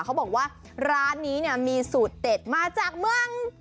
เขาบอกว่าร้านนี้มีสูตรเด็ดมาจากเมืองจริง